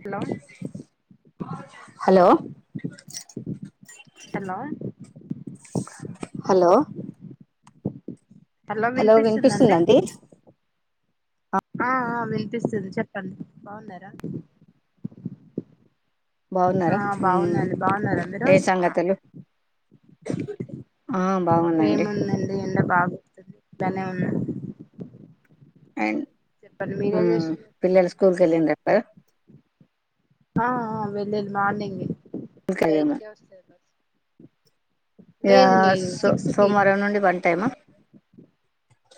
Hello hello hello hello hello వినిపిస్తుందండి ఆ ఆ వినిపిస్తుంది చెప్పండి బాగున్నారా బాగున్నారా ఆ హ్మ్మ్ బాగున్నాండి బాగున్నారా మీరు ఏం సంగతులు ఆ బాగుందండి ఏముందండి ఎండ బాగా ఇంట్లోనే ఉన్నాం అం చెప్పండి మీరేం చేస్తున్నారు స్కూల్ కి ఎల్లుండి రా ఆ వెళ్ళిల్ మార్నింగ్ ఏ ఎయిట్ ఇంకాదేమో కే వస్తుంది బస్సు సో సిక్స్ కి సోమవారం నుండి వన్ టైమా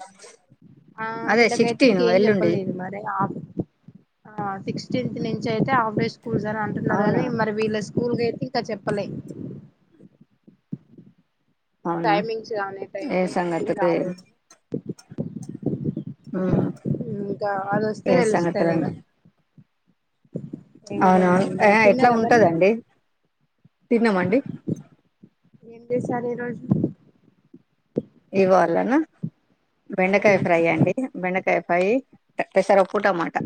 అ [inaudible] ఆ వీళ్ళకైతే ఇంక ఏం చెప్పలేదు మరి ఆ సిక్స్టీన్త్ నుంచి అయితే ఆ స్కూల్స్ అని అంటున్నారు అవునా కానీ మరి వీళ్ళ స్కూల్ క అయితే ఇంకా చెప్పలే అవునా టైమింగ్స్ కానీ టైం టేబుల్ ఏం రాలేదు మ్మ్ ఇంకా వాళ్ళ వస్తే ఏం తెలుస్తుంది ఇక అవునాను ఎట్లా తిన్నారా మరి ఉంటదండి తిన్నామండి ఏ సార్ ఈ రోజు ఇవా లనా బెండకాయ ఫ్రై అండి బెండకాయ ఫ్రై పెసరప్పు టమాట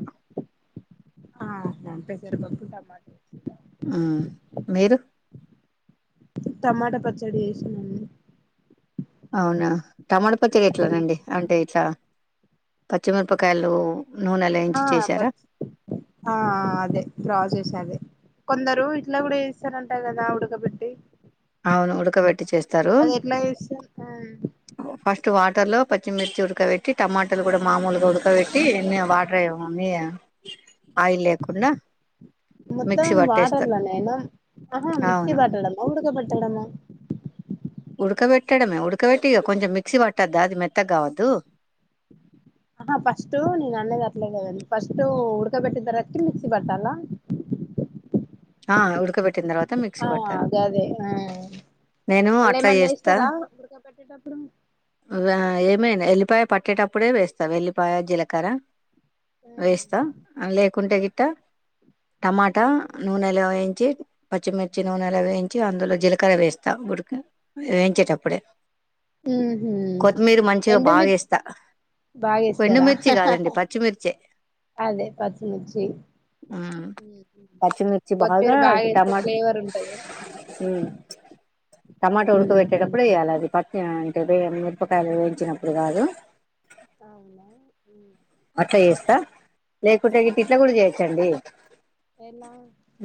ఆ పేసర్ పప్పు టమాట ఉమ్ మీరు టమాటా పచ్చడి ఉమ్ అవునా టమాట పచ్చడి ఎట్లా అండి అంటే ఇట్లా పచ్చిమి ర్ ఆ [unintelligible] అదే డ్రా చేసనేన్ కొందరు ఇట్లా కూడా ఇస్తారంట కదా ఉడకబెట్టి అవును ఉడకబెట్టి చేస్తారు అది ఎట్లా చేస్తారు ఫస్ట్ వా టర్లో పచ్చిమిర్చి ఉడకబెట్టి టమాటలు కూడా మామూలుగా ఉడకబెట్టి నీ వాటర్ వేయమని మొత్తం మిక్సీ పట్టేస్తారు వాటర్ల నేనా వాటర్ల ఆహా మిక్సి అవును పట్టడం ఉడకబెట్ డమ ఉడకబెట్టడమే ఉడకబెట్టిక కొంచెం మిక్సీ పట్టద్దా అది మెత్త కావద్దు ఆహా ఫస్ట్టు నేను అన్నది గట్లే కదండి ఫస్ట్టు ఉుడ్కబెట్టి న తర్వాత మిక్సి బట్టాలా ఆ ఉుడుకబట్టిందారవాత్ ఆగదే ఆ నేను అళ్ళ అట్లా ఏమన్నా చేస్తా వేస్తారా ఉడక పెట్టేటప్పుడు మేనా ఎల్లిపాయ పట్టేటప్పుడే వేస్తావు వెల్లిపాయ జీలకర్ర వేస్తా లేకుంటే ట్ట టమాటా నూనెలో వేయించి పచ్చిమిర్చి నూనెలో వేయించి అందులో జీలకర్ర వేస్తా ఉడికి వేయించేటప్పుడే ఉమ్ హు కొత్తిమీర మంచిగా బాగా ఎండుమిర్చి వేస్తా బాగాేస్తారా ఎండుమిర్చి కాదండి పచ్చిమిర్చే అదే పచ్చిమిర్చి ఉమ్ పచ్చిమిర్చి బాగా కొత్తిమీర ఏస్తే టమాట్ ఫ్లేవర్ ఉంటది ఉమ్ టమాటా ఉడకబెట్టేటప్పుడే ఏ యాలధి అది ప అంటే వేయ్య మిరపకాయలు వేయించినప్పుడు కాదు కావులే ట్ల చేస్తా లే కుట్ట ఇట్ల కూడా చేయచ్చండి ఎలా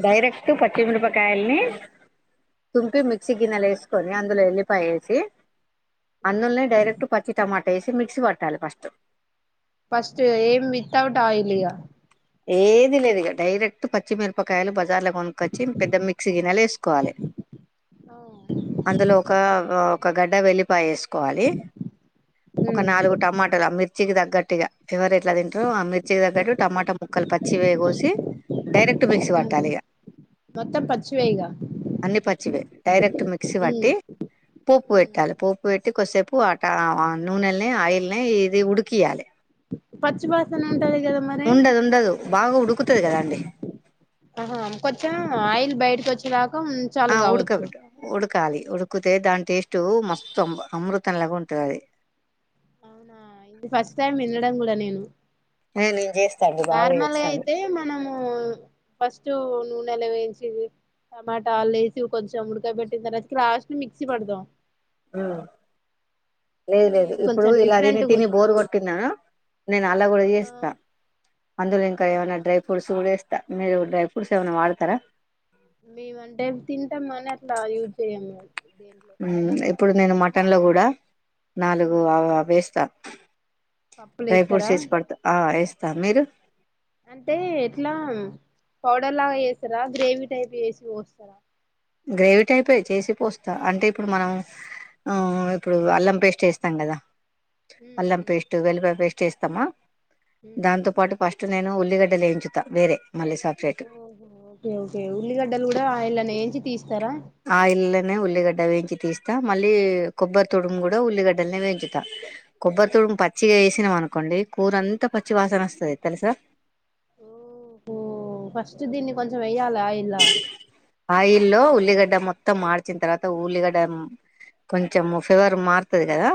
డైరెక్ట్ తూ పచ్చి మిరపకాయల్ని తుమ్ పి మిక్సి ఆ గినల్లా ఏస్కోని అన్ ఎల్లి పాయ వేసి అంన్ను ల్నే డైరెక్ట్ పచ్చి టమాట ఏసి మిక్సి పట్టాల ఫస్ట్ ఫస్ట్ ఏం వితౌట్ ఆయిల్ ఇక ఏది లేదు ఇక డైరెక్ట్ పచ్చిమిరపకాయలు బ బార్ కొనుక్కొచ్చి పెద్ద మిక్సీ గినాల వేసుకోవాలే అందులో ఒక ఆ ఒక గడ్డ వెలిపాయేసుకో సుకోవాలి ఒక నాలుగు టమాటాలు ఆ మిర్చికి తగ్గట్టుగా ఎట్లా తింటరు ఆ మిర్చి తగ్గట్టు టమాటా ముక్కలు పచ్చి వే కోసి డైరెక్ట్ మిక్స్ీ పట్టాలి ఇ మొత్తం పచ్చివే ఇగ అన్ని పచ్చి వే డైరెక్ట్ మిక్సీ పట్టి పోపు పెట్టాలి పోపు కొదిసేపు ఆట నూనెల్ని ఆయిల్ని ఇది ఉడికియాలి పచ్చివాసన ఉంటాది కద మరి ఉండదు ఉండదు బాగా ఉడుకుతది కదా అండి ఆహా కొంచెమైనా ఆయిల్ బయట గుచ్చలా ఆ ఉడ్కబట్టు ఉడుకాలి ఉుకుతే దాంట్ టేస్ట్ మస్తు అ అమృతంలాగా ఉంటుంది అది అవునా ఇది ఫస్ట్ టైమ్ వినడం కూడా నేను ఆ నేను చేస్తా అది బాగా నార్మల్గా చేస్తాను అయితే మనము ఫస్ట్ నూనెలో వేయించి టమాటా వాలు వేసి కొంచెం ఉడికాయ పెట్టిన తర్ రాస్ట్ మిక్సీ పడాం ఉ లేదు ఇది లేదు ఇప్పుడు కొంచెం ఇలా తిని డిఫరెంట్గా తిని ఉంది బోరు కొట్టిన్నాను నేను అలా కూడా ఆ చేస్తా అందులో ఇంకా ఏమైన్నా అవును డ్రై ఫ్రూట్స్ కూడాస్తా మీరు డ్రై ఫ్రూట్స్ ఏమైన్నా వాడతారా మేము అంటే తింటాం అని అట్లా యూజ్ చేయ్యము ఉ ఇప్పుడు నేను మట్ పట్టంలో కూడా నాలుగు ఉమ్, అవ ఆవేస్తా పప్పులు డ్రై ఫ్రూట్స్ వేస్తారా సేసి పడుత ఆ ఎ త మీరు అంటే ఎట్లా పౌడర్ లాగా వేస్తారా గ్రేవీ టైప్ వేసి పోస్తారా గ్రేవీ టైపే చేసి పోస్తా అంటే ఇప్పుడు మనం ఇప్పుడు అల్లం పేస్ట్ వేస్తాం కదా ఉమ్, అల్లం పేస్ట్ వెలుగ పేస్ట్ చేస్తమా ఉమ్, ఉమ్. దాంతో పాటు పాస్ నేను ఉల్లిగడ్డ లేేయించుతా వేరే మళ్ళీ సపరేట్ ఓహో ఓకే ఓకే ఉల్లిగడ్డలు కూడా ఇలా నేయించి తీసి ఆ ఇల్నే ఉల్లిగడ్డ వే కి తీస్తా మళ్ళీ కొబ్బరి తొడుము కూడా ఉల్లిగడ్డలని పెంచుతా కొబ్బరి ఆ తూడు పచ్చిగా వేసిన మనకు కోండి కూరంతా పచ్చి వాసన వస్తుంది తెలుసా ఓహో ఫస్ట్ దిన్ని కొంచసం ఆయిల్ ఉల్ కట్ట గడ మొత్తం మార్చిన తర్వాత ఉఊల్లిగడ్డ కొంచెం ఫ్లావర్ మారుతుంది కదా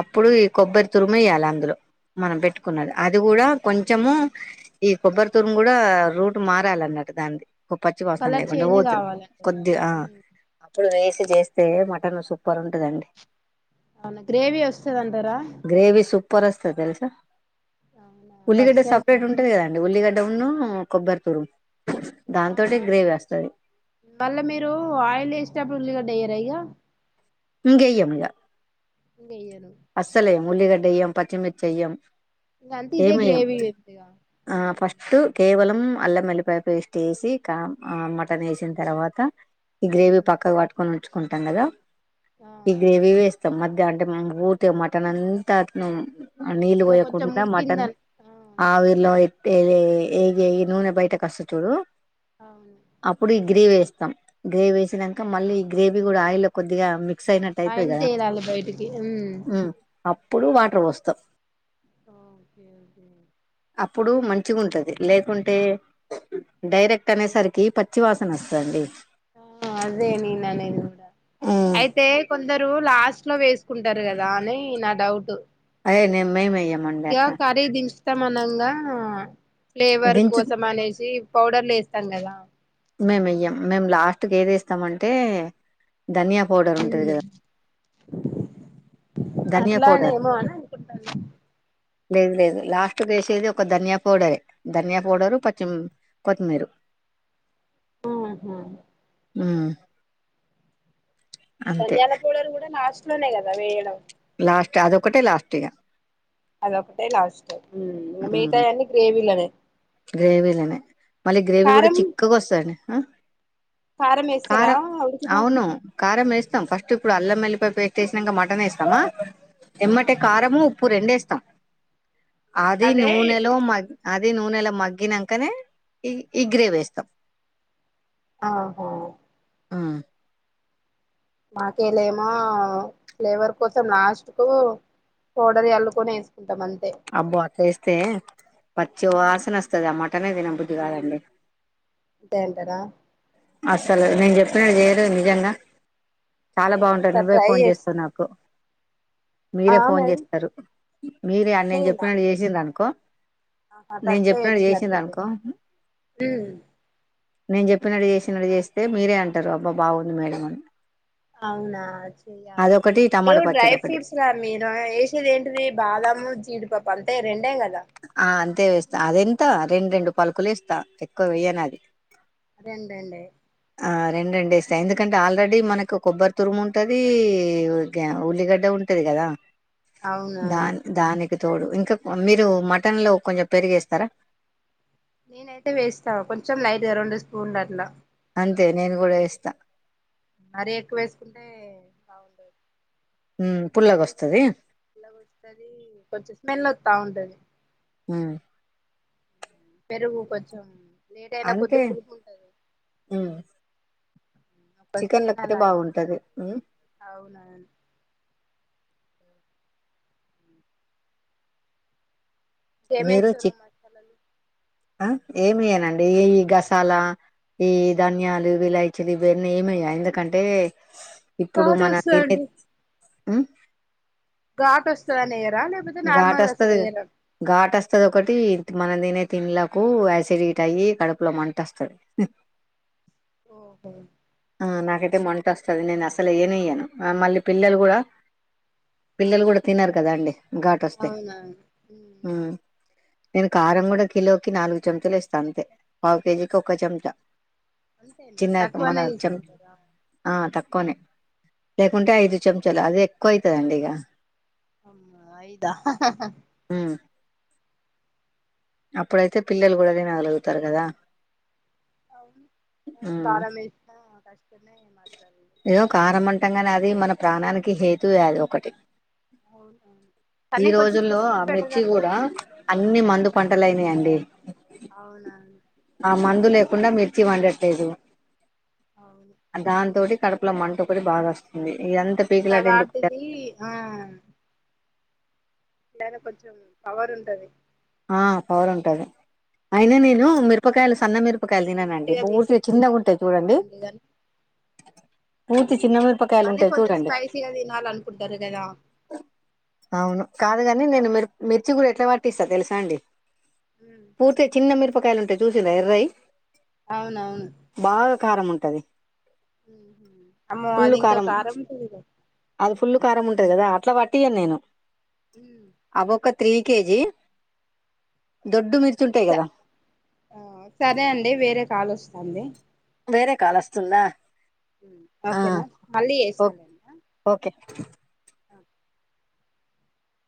అప్పుడు ఈ కొబ్బరి తురుమయ్యాలి అందులో మనం పెట్టుకున్నది అది కూడా కొంచము ఈ కొబ్బరి తురుము కూడా రూట్ మారాలన్నట్ దంది పచ్చి వాసన కలర్ లేకుండా చేంజ్ పోతు కావాలంట కొద్ది అప్పుడు వే చేస్తే మటన్ సూపర్ ఉంటదండి అవును గ్రేవి వస్తదంటారా పస్త తెలుస అవునా ఉల్లిగడ్డ ఫస్ట్ టైం సపరేట్ వినడం ఉంటంది కదండి ఉల్లిగడ్డ వున్న కొబ్బరి తూరు నమస్తే ఆ రండి మళ్ళా మీరు ఆయిల్ వేసేప్పుడు ఉల్లిగ డయ్యర్ అయగా ఇంగే ఎముగా గయ ఎను ఉల్లిగడ్డ ఎయ్యాం పచ్చిమిర్చి ఎయ్యాం ఇంగ అంతే ఇదే ఏమేయం గ్రేవీ ఉందిగా ఆ ఫస్ట్ ఉమ్ కేవలం అల్లంయల్లిపాయ పేస్ట్ వేసి మటన్ వేసిన తర్వాత ఈ గ్రేవి పక్కగా వాటుకొనుచు కుంటాం కదా ఆ ఈ గ్రేవీ వేస్తాం మధ అంట మూ అ మటన్ అంతా అను నీలు ఇగ కొంచెం పోయ్యకుంట మటన్ ఉడికిందని ఆ ఆవిరిలో అయి ఇగ నూనె బయటకస్త చూడు అవును అప్పుడు ఈ గ్రేవీ స్ గ్రేవీ వేసినాక మళ్ళీ ఈ గ్రేవీ కూడా ఆయిల్లో కొద్దిగా మి ఆయిల్ తేలాల బయటికి ఉమ్ అప్పుడు వాటర్ పోస్తాం ఆఓకే ఓకే అప్పుడు మంచిగా ఉంటది లేకుంటే డైరెక్ట్ అనేసరికి పచ్చివాసన వస్తుంది ఆ అదే నేననేది ఉమ్, అయితే కొందరు రు లాస్ట్ లో వేసు కుంటారు కదా అని నా డౌట్ అదే నేను మేము వెయ్యమండి ఇగ అట్లా కర్రీ దించు తమనంగా ఫ్లేవర్ దించు కోసం అనేసి పౌడర్లు వేస్తం కదా మేము ఎయ్యం మేము లాస్ట్కి ఏదేస్తామంటే ధనియా పౌడర్ ఉంటది కదా ధనియా అట్లా అనే పౌడర్ ఏమో అని అనుకుంటాను లేదు లేదు లాస్ట్ వేసేది ఒక ధనియా పౌడరే ధనియా పౌడరు పచిం కొత్తిమీరు ఆ హా ఉ ధనియాల పౌడరు కూడా లాస్ట్ ట్లోనే కదా వేయడం లాస్ట్ అదొకటే లాస్ట్గా అదొకటే లాస్ట్ ఉమ్ మిగతాయి అన్ని గ్రేవీలోనే గ్రేవీలనే మళ్ళీ గ్రేవీ కూడా కారం చిక్కగా వస్తందని కారం వేస్తారా కారం ఉడికిన అవును కారం వేస్తాం ఫస్ట్ ఇప్పుడు అల్లం ఎల్లిపాయ పేస్ట్ వేసినాక మటన్ వేస్తామా ఎమ్మటే కారము ఉప్పు రెండు ఎస్తాం అది అదే నూనెలో మగ అది నూనె ఎలా మగ్గినాకనే ఈ ఈ గ్రేవ ఎస్తాం ఆహో ఆ మాకేలేమో ఫ్లేవర్ కోసం లాస్ట్ కు పౌడర్ ఎల్లుకొని వేసుకుంటాంంత అబ్బో అట్లా ఇస్తే మత్ వాసన వస్తాది ఆ మటన్ నే తిన బుద్ది కాదండి ంటేంటార అస్సలు నేను చెప్పినడు చేయరు నిజంగా చాలా నేను బాగుంటాయి ఒకసారి నువ్వే ట్రై ఫోన్ చేస్తావు చేస్తా నాకు మీరే ఆ ఫోన్ మేడం చేస్తారు మీర నేను నేనా చెప్పినట్ చేసింది అనుకో ఆహా నేను టచ్చయ్య చెప్పినట్టు వచ్చినట్ చేసిండ్రు అనుకో నేను చెప్పినడు చేసి చిన్నడు చేస్తే మీరే అంటారు అబ్బా బాగుంది మేడ అని అదొకటి ఏ టమాటా డ్రై పచ్చడి ఒకటి ఫ్రూట్స్ రా మీరు వేసేది ఏంటిది బాదము జీడిపప్ వంతె రెండే కదా ఆ అంతే వేస్తా అదేం ఇత రెండు రెండు పలుకులు ఇస్తా ఎక్కువ వయ్యనిది అదేంటండీ ఆ రెండు రెండు వేస్తా ఎందుకంటే ఆల్రెడీ మనకు కొబ్బరి తురుము ఉంటది ఉల్లిగడ్డ ఉంటది కదా అవునవును దాన్ దాని తోడు ఇంకా మీరు మటన్ లో కొంచెం పెరిగేస్తారా నేనైయితే వేస్తా కొంచెం లైట్గా రెండు స్పూన్ల అట్ల అంతే నేను కూడా ఏస్తా మరీ ఎక్కువేసుకుంటే బాగుండదు ఉ పుల్లగ వస్తది ఇలాగ వస్తది కొంచెం స్మెల్ అత ఉంటది పెరుగు కొంచం అంతే ఊ ఒక చికెన్ల స్పూన్ పెర అలా బాగుంటది అవునవును మీరు చికెన్ జేమేశ్వరం మాసాలలు ఆ ఏమయ్యానండి ఈ గసాల ఈ ధన్యాలు విలాయిచీలు ఇవన్నీ ఏమయ్యా ఎందుకంటే ఇప్పుడు ఘాటు మన తినే వస్తదండి ఉ ఘాట్ వస్తదని ఎయం రా లేపోతే ఘాటు నార్మల్ అసలు వస్తది ఎయ్యర ఘాటు వస్తది ఒకటి మనం తినే తిండ్లకు యాసిడీట్ అయ్యి కడుపులో మంట వస్తది ఓహో ఆ నాకైతే మంట వస్తది నేను అసలు ఎయ్యనేఎయ్యను అ మళ్ళీ పిల్లలు కూడా పిల్లలు కూడా తినరు కదా అండి గాట్ వస్తె అవునా మ్మ్ ఊ నేను కారం కూడా కిలోకి నాలుగు చెంచలు ఏస్తా అంతే పావు కేజీకి ఒక చెంచా అంతేనా చిన్న తక్కువనే తీసుకుంటారా కొనే లేకుంటే ఐదు చెంచలు అదే కొయతదండిగ అమ్మ అయిదా ఉ అప్పుడైతే పిల్లలు కూడా తినగలుగుతారు కదా అవును మరి ఉమ్ కారమేష్నా కష్ ఏదో కారం అంటాంగానీ అది మన ప్రాణానికి హేత్ తూయాద ఒకటి అవునవును ఈ కానీ కొంచెం రోజుల్లో తింటే ఆ బెటర్ మిర్చి అంటారు కూడా అన్ని మందు మ్మ్ పంటలు అయినాయండి అవునవును ఆ మందులు కుండ మిర్చి వండట్లేదు అవును దాంతోటి కడుపులో మంట ఒకటి బాగా వస్తుంది ఇదంతా ఇంగ పీకిలాట ఎందుకు వాటిది ఆ లేదా కొంచెం పవర్ ఉంటది ఆ పవర్ ఉంటది అయినా నేను మిరపకాయలు అందుకోసం సన్న అని మిరపకాయలు కొంచెం లిమిట్ తిననండి గా బూర్తి తీసుకుంటేనే చిన్నగుంటాయి బెటర్ చూడండి లేండి కానీ పూతి చిన్నమిరపకాయలు కానీ ఉంటాయి కొందరు చూడండి స్పైసీగా తినాలి అనుకుంటారు కదా అవును కాదు కా నేన్ నేను మిర మిర్చీ కూడా ఎట్లపట్టిస్తా తెలుసా తాండే ఉమ్ పూర్తి చిన్న మిరు పకాయలు ఉంటాయి చూసిర్రా ఎర్రయి అవునవును బాగా కారం ఉంటది అమ్మో అది ఇంక కారముంటది ఫుల్లు కారం ఉంటది కదా అట్ల పట్టియను నేను హ అవొక త్రీ కేజీ దొడ్డు మిర్చి ఉంటాయి స కదా సరే అండి వేరే కాలు వస్తుంది వస్తుంది వేరే కాల్ వస్తుందా ఆ ఓకేనా మళ్ళీ ఓ- చేస్తలేనా ఓకే